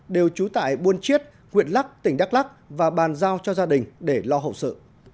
đều trú tại buôn chiết huyện lắc tỉnh đắk lắc và bàn giao cho gia đình để lo hậu sự